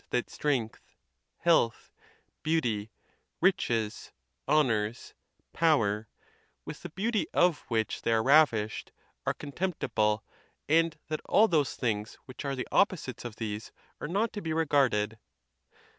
that strength, health, beauty, riches, honors, power, with the beauty of which they are ravished, are contemptible, and that all those things which are the opposites of these are not to be regarded..